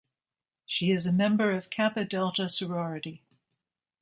She is a member of Kappa Delta sorority.